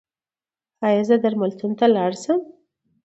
ایا زه درملتون ته لاړ شم؟